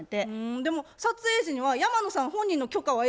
でも撮影時には山野さん本人の許可は得てないんやろ？